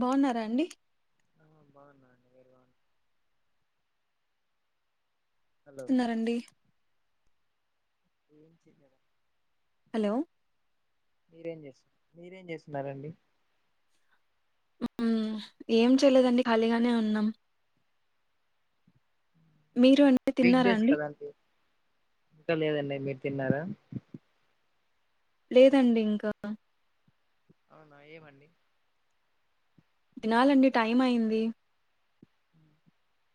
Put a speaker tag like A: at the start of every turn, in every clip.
A: బాగున్నారా అండి
B: ఆ బాగున్నాండి వేరు బా
A: ఇస్తున్నారంండి
B: ఏం చెన్నద
A: హలో
B: మీరేం చేస్తు మీరేం చేస్తున్నారంండి
A: హమ్ ఏం చేయలేదండి ఖాళీగానే ఉన్నాం మీరు అండి తిన్నారా
B: బిగ్డేస్
A: అండి
B: కదండి ఇంకా లేదండి మీరు తిన్నారా
A: లేదండి ఇంకా
B: ఆహ్ ఏమండి
A: తినలాండి టైం అయి్యంది
B: అ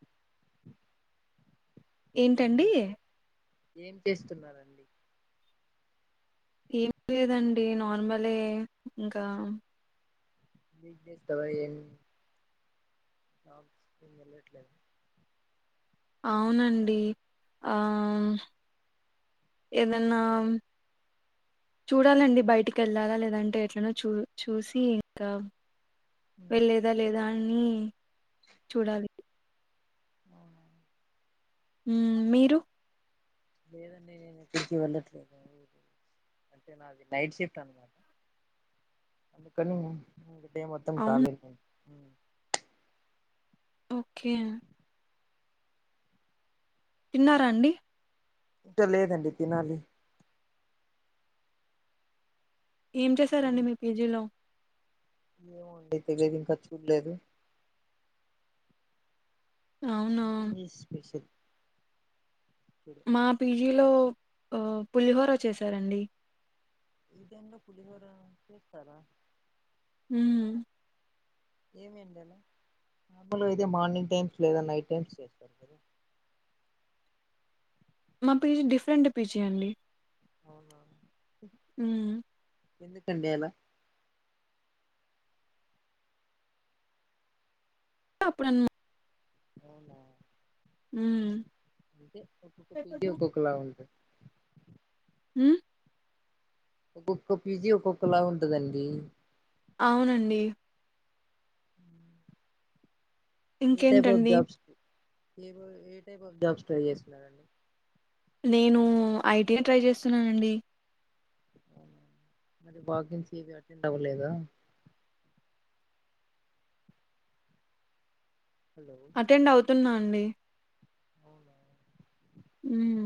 B: ఏం
A: ఏంటండి
B: చేస్తారు ఏం చేస్తున్నారంండి
A: ఏమి లేదండి నార్మలే ఇంకా
B: ఏం చేస్తారా ఎంది అవును స్కూల్ వెళ్ళట్లేదు
A: అవునండి ఆ ఏదన్నా చూడాలండి బయటికి వెళ్ళాలా లేదంటే ఎట్లనో చూ చూసి ఇంకా వెళ్ళలేదా లేదా అని చూడాలి
B: ఆ
A: హమ్ మీరు
B: లేదండి నేను ఎక్కడికి వెళ్ళట్లేదు అంటే నాది నైట్ షిఫ్ట్ అనమాట అందుకని డే మొత్తం
A: అవును
B: ఖాళీ
A: ఓకే తిన్నారా అండి
B: ఇంటో లేదండి తినాలి
A: ఏం చేశారండి మీ పీజీలో
B: ఏము నండి తెలియదు ఇంకా చూడలేదు
A: అవునా
B: సథింగ్ ఈజ్ స్పెషల్ ఇప్పుడు
A: మా పీజీలో పులిహోర చేసారంండి
B: ఈ టై లో పులిహోర చేస్తారా
A: హమ్
B: ఏమండి అలా మాార్మలుగా అయితే మార్నింగ్ టైమ్స్ లేదా నైట్ టైమ్స్ చేస్తారు మీదా
A: మా పిజ డిఫరెంట్ పీజి అండి
B: అవునా
A: హమ్
B: ఎందుకండి అలా
A: అప్పుడన్ము
B: అవునా
A: హ్మ్.
B: అంటే ఒక్కొక్క పీజీ ఒక్కొక్కలా ఉంటది
A: ఉమ్
B: ఒక్కొక్క పీజీ ఒక్కొక్కలా ఉంటదండి
A: అవునండి
B: ఏ టైప్ ఆఫ్
A: ఇంకేంటండి?
B: జాబ్స్ ఏ ఏ టైప్ ఆఫ్ జాబ్స్ ట్రై జేస్తున్నారండి
A: నేను ఐటీయే ట్రై జేస్తున్నానండి
B: మరి బాకింగ్స్ది అటెండు అవ్వలేదా హలో
A: అటెండ్ అవుతున్నా అండి
B: అవునా
A: ఉమ్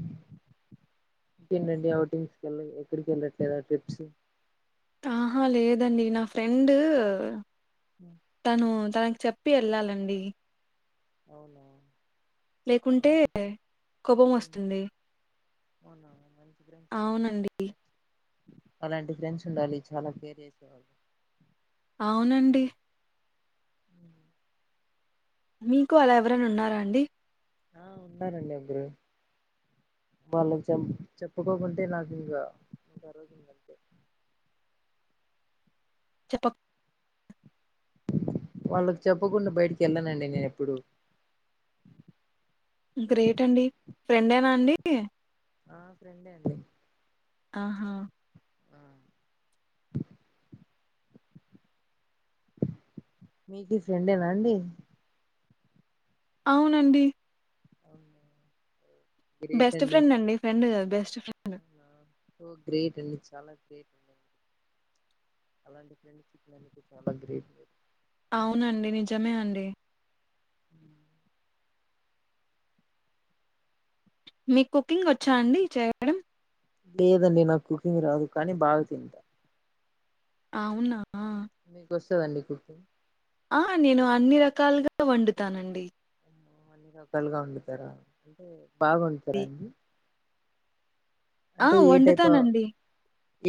B: [inaudible] ఇంకేంటండి అవుటింగ్స్ కెళ్ళ ఎక్కడి కెళ్ళట్లేదా ట్రిప్స్
A: ఆహా లేదండి నా ఫ్రెండ్ తను తనకి చెప్పి యెళ్ళాలండి
B: అవునా
A: లేకుంటే
B: మంచి
A: కోపం
B: ఉమ్
A: వస్తుంది
B: అవునా మంచి ఫ్రెండ్స్ అండి మంచి ఫ్రెండ్స్ అలాంటి ఫ్రెండ్స్ ఉండాలి చాలా కేర్ జేసేవాళ్ళు
A: అవునండి
B: ఉమ్
A: మీకు అలా ఎవరైనా ఉన్నారా అండి
B: ఆ ఉన్నారండి ఇద్దరు వాళ్ళక్ చెం చెప్పుకోకుంటే నాకు ఇంకా ఇంకా ఆ రోజు ఇంకంతే
A: చెప్పక్
B: వాళ్ళకు చెప్పకుండా బయటికి యెళ్ళానండి నేను ఎప్పుడు
A: గ్రేట్ అండి ఫ్రెండేనా అండి
B: ఆ ఫ్రెండే అండి
A: ఆహా
B: ఆ మీకు ఫ్రెండేనా అండి
A: అవునండి
B: అవునా
A: బెస్ట్ ఫ్రెండ్ అండి ఫ్రెండ్ గాద్ బెస్ట్ ఫ్రెండ్
B: ఓ గ్రేట్ అండి చాలా గ్రేట్ అండి అలాంటి ఫ్రెండ్ చిక్కినందుకు చాలా గ్రేట్
A: అవునండి నిజమే అండి
B: ఉమ్
A: మీకు కుకింగ్ వచ్చా అండి చేయడం
B: లేదండి నాకు కుకింగ్ రాదు కానీ బాగా తింటా
A: అవునా
B: మీకు వస్తదండి కుకింగ్
A: ఆ నేను అన్ని ర కాలుగా వండుతానండి
B: అమ్మో అన్ని రకాలుగా వండుతారా అంటే బాగా వండుతారా
A: ఇది
B: అండి
A: ఆ!
B: అంటే ఏ టైప్ ఆ
A: వండుతానండి.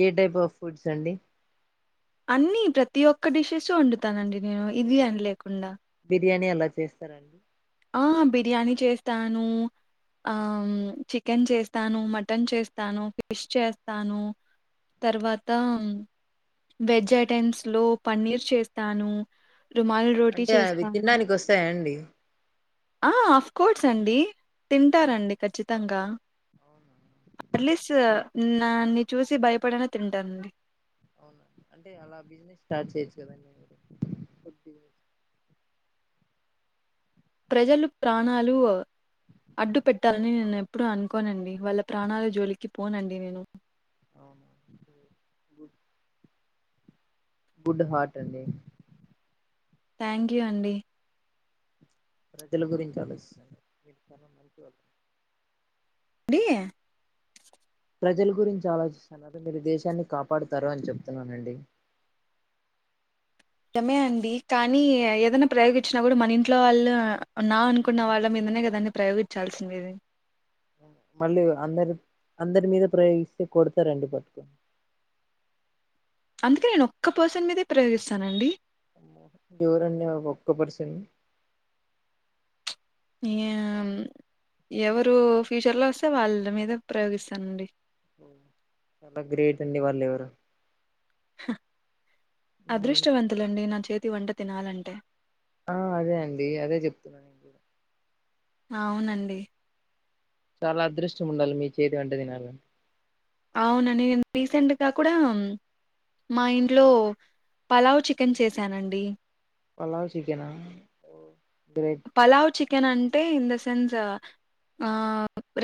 B: ఏ టైప్ ఆఫ్ ఫుడ్స్ అండి
A: అన్ని ప్రతి ఒక్క డిష్షేస్ వండుతానండి నేను ఇది అని లేకుండా
B: బిర్యానీ ఎలా చేస్తారండి
A: ఆ బిర్యానీ చేస్తాను ఆ చికెన్ చేస్తాను మటన్ చేస్తాను ఫిష్ చేస్తాను తర్వాత వెజ్ ఐటెమ్స్ లో పన్నీర్ చేస్తాను రుమాలి రోటీ
B: అంటే అవి
A: చేస్తాను
B: తినడానికి వస్తాయా అండి
A: ఆ ఆఫ్ కోర్స్ అండి
B: అవును
A: తింటారండి ఖచ్చితంగా
B: అవునా
A: అట్లీస్ట్ దన్ని చూసి భయపడనా తింటానండి
B: [inaudible]
A: ప్రజలు ప్రాణాలు అడ్డు పెట్టాలని నేను ఎప్పుడు అనుకోనండి వాళ్ళ ప్రాణాల జోలికి పోనండి నేను
B: అవునా గు గుడ్ హార్ట్ అండి
A: థ్యాంక్ యూ అండి
B: ప్రజల గురించి ఆలోచిస్తున్నారు
A: ఏంది
B: ప్రజల గురించి ఆలోచిస్తన్నారు మీరు దేశాన్ని కాపాడుతారు అని చెప్తున్నానండి
A: ఇష్టమే అండి కానీ ఏదైనా ప్రయోగించినాప్పు మన ఇంట్లో వాళ్ళు నా అనుకున్న వాళ్ళ మీద అందునేగా ప్రయోగించాల్సింది
B: మళ్ళీ అందరి అందరి మీద ప్రయోగిస్తే కొడతారండి పట్టుకోని
A: అందుకే నేను ఒక్క పర్సన్ మీదే ప్రయోగిస్తానండి
B: ఎవరు అండి ఆ ఒక్క పేర్సినూ
A: ఈ ఎవరు ఫ్యూచర్ లో వస్తే వాళ్ళ మీదే ప్రయోగిస్తానండి
B: ఓ చాలా గ్రేట్ అండి వాళ్ళవరో
A: అదృష్టవంతులండి నా చేతి వంట తినాలంటే
B: ఆ అదే అండి అదే చెప్తున్నాను
A: అవునండి
B: చాలా అదృష్టం ఉండాలి మీ చేతి వెంట తినాలంటే
A: అవునండి నేను రీసెంటు గా కూడా మా ఇంట్లో పలావ్ చికెన్ చేసానండి
B: పలావు చికెనా గ్రేట్
A: పలావ్ చికెన్ అంటే ఇన్ ద సెన్స్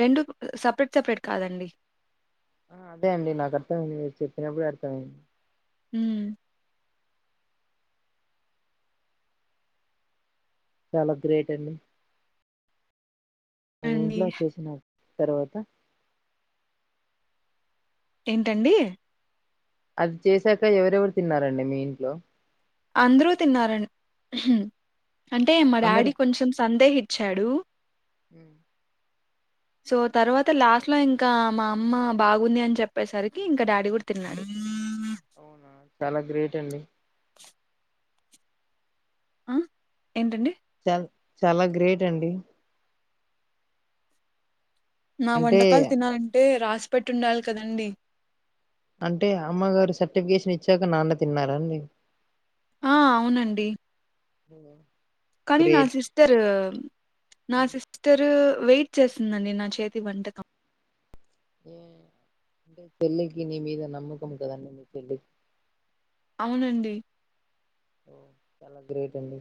A: రెండు సపరేట్ సపరేట్ కాదండి
B: ఆ అదే అండి నాకు అర్థమైంది మీరు చెప్పినప్పుడే అర్థమైంది
A: హ్మ్
B: చాలా గ్రేట్ అండి మేము
A: అండి.
B: ఇంట్లో చేసిన తర్వాత
A: ఏంటండి
B: అది చేసాక ఎవరెవరు తిన్నారండి మీ ఇంట్లో
A: అందరూ తిన్నారండి అంటే మా
B: అందరు
A: డాడీ కొంచెం సందేహిచ్చాడు
B: హ్మ్
A: సో తర్వాత లాస్ట్ లో ఇంకా మా అమ్మ బాగుంది అని చెప్పేసరికి ఇంకా డాడీ కూడా తిన్నాడు
B: అవునా చాలా గ్రేట్ అండి
A: ఆ ఏంటండి
B: చాల గ్రేట్ అండి
A: నా
B: అంటే
A: వంటకాలు తినాలంటే రాసిపెట్టుండాలి కదండి
B: అంటే అమ్మగారు సర్టిఫికేషన్ ఇచ్చాక నాన్న తిన్నారా అండి
A: ఆ అవునండి
B: హ
A: కానీ నా సిస్టర్ నా సిస్టరు వెయిట్ చేసింది అండి నా చేతి వంటకం
B: అంటే చెల్కి నీ మీద నమ్మకం [unintelligible]
A: అవునండి
B: ఓ చాల గ్రేట్ అండి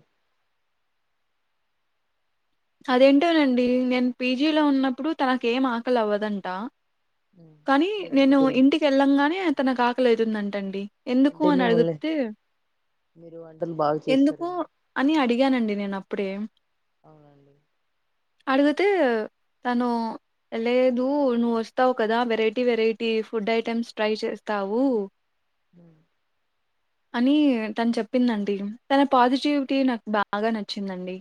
A: అదేంటోనండి నేను పీజీలో ఉన్నప్పుడు తనకేం ఆకలి అవ్వదంట కానీ
B: మీరు
A: నేను
B: ఇంటికెళ్ళి
A: ఇంటికి వెళ్ళంగానే తన కాకలైతుందంటండి ఎందుకు
B: అంటే
A: అన్
B: మిమ్మల్ని
A: అడుగుతే
B: మీరు అ
A: ఎందుకు అని అడిగానండి నేను అప్పుడే
B: అవునండి
A: అడిగితే తను వెళ్ళదు నువ్వు వస్తావు్ కదా variety variety food items try చేస్తావు
B: హ
A: అని తను చెప్పిందండి తన పాజిటివిటీ నాకు బాగ నచ్చిందండి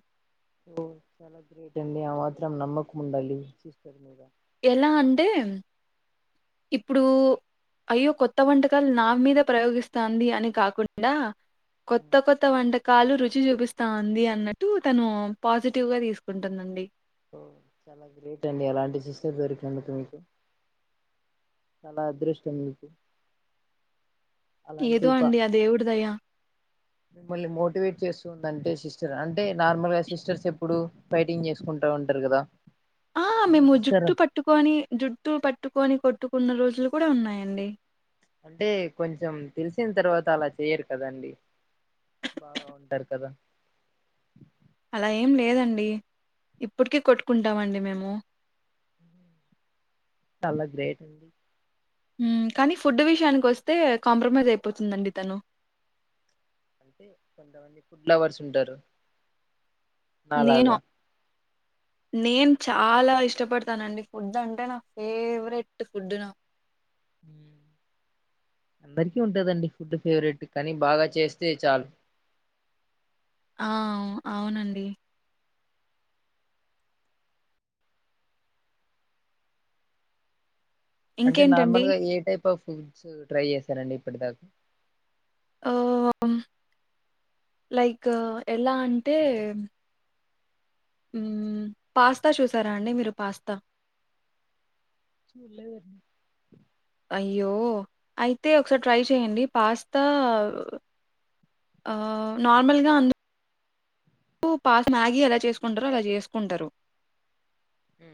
B: ఓ చాలా గ్రేట్ అండి ఆ మాత్రం నమ్మకం ఉండాలి సిస్టర్ మీద
A: ఎలా అంటే ఇప్పుడు అయ్యో కొత్త వంటకాలు నా మీద ప్రయోగిస్తాంది అని కాకుండ కొత్త
B: ఓ
A: కొత్త వంట కాలు రుచి చూపిస్తాంది అన్నట్టు తను పాజిటివ్గా తీసుకుంటుందండి
B: ఓ చాల గ్రేట్ అండి అలాంటి సిస్టర్ దొరికినందుకు మీకు చాల అదృష్టం మీకు అలాంటి
A: ఏదో
B: ప
A: అండి ఆ దేవుడి దయ
B: మిమ్మల్ని మోటివేట్ చేస్తుంది అంటే సిస్టర్ అంటే నార్మల్గా సిస్టర్స్ ఎప్పుడు ఫైటింగ్ చేసుకుం ఉంటరు కద
A: ఆ మేము జుట్టు పట్టుకొని జుట్టు పట్టుకొని కొట్ కొట్టు కున్న రోజులు కూడా ఉన్నాయండి
B: అంటే కొంచెం తెలిసిన తర్వాత అలా చెయరు కదండి బాగ ఉంటారు కదా
A: అలా ఏం లేదండి ఇప్పటికీ కొట్టుకుంటామండి మేము
B: చాల గ్రేట్
A: కానీ ఫుడ్ విషయానికి వస్తే కాంప్రమైజ్ అయిపోతుందండి తను
B: అంటే కొంతమంది ఫుడ్ లవర్స్ ఉంటారు
A: నేను
B: నాలగా [inaudible]
A: నేను చాలా ఇష్టపడతానండి ఫుడ్ అంటే నా ఫేవరెట్ ఫుడ్ న
B: హ అందరికీ ఉంటదండి ఫుడ్ ఫేవరెట్ కానీ బాగ చేస్తే చాలు [inaudible]
A: ఆ అవునండి
B: అంటే
A: ఇంకేంటండి
B: నార్మల్గా ఏ టైప్ ఆఫ్ ఫుడ్స్ ట్రై చేశారండి ఇప్పటిదాకా
A: ఆ లైక్ ఎలా అంటే పాస్తా చూసారా అండి మీరు పాస్తా
B: చూలేదండి
A: అయ్యో అయితే ఒకసారి ట్రై చేయండి పాస్తా ఆ నార్మల్గా అందు కు పాస్తా మ్యాగీ ఎలా చేసుకుంటారో అలా చేసుకుంటారు
B: ఉ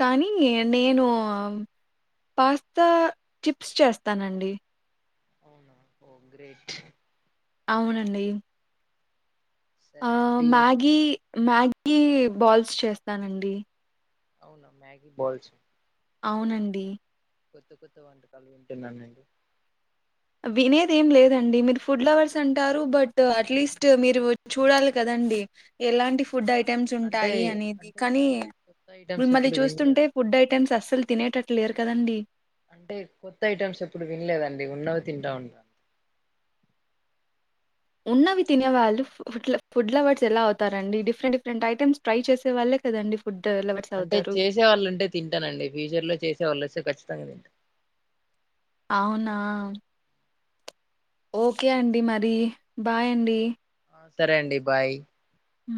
A: కనీ నేను పాస్తా చిప్స్ చేస్తానండి
B: అవునా ఓ గ్రేట్
A: అవునండి ఆ
B: సరే అండి
A: మ్యాగీ మ్యాగీ బాల్స్ చేస్తానండి
B: అవునా మ్యాగీ బాల్సు
A: అవునండి.
B: కొత్త కొత్త వంటకాలు వింటున్నానండి
A: వినేది ఏం లేదండి మీరు ఫుడ్ లవర్స్ అంటారు బట్ అట్లీస్ట్ మీరు చూడాలి కదం అండి ఎలాంటి ఫుడ్ ఐటెమ్స్
B: అంటే
A: ఉంటాయి అనేది
B: అంటే
A: కానీ
B: ఇలాంటి కొత్త
A: మీరు
B: ఐటమ్స్
A: మళ్ళీ
B: ఎప్పుడు వినలేదండి
A: చూస్తుంటే ఫుడ్ ఐటెమ్స్ అస్సలు తినేటట్ లేరు కదండి
B: అంటే కొత్త ఐటమ్స్ ఎప్పుడు వినలేదండి ఉన్నవి తింటా ఉంటా
A: ఉన్నవి తినే వాళ్ళు ఫుడ్ ఫుడ్ లవర్స్ ఎలా అవుతారండి డిఫరెంట్ డిఫరెంట్ ఐటమ్స్ ట్రై చేసే వాళ్ళే కదండి
B: అంటే చేసే వాళ్ళుంటే తింటానండి ఫ్యూచర్ లో చేసేవాళ్ళు వస్తే ఖచ్చితంగా తింటా
A: అవునా ఓకే అండి మరి బాయ్ అండి
B: సరే అండి బాయ్
A: అ